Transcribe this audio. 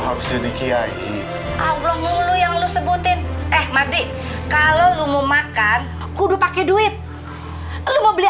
hapsi dikiai allah mulu yang lu sebutin eh madi kalau lu mau makan kudu pakai duit lu mau beli